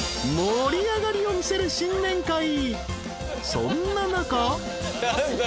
［そんな中］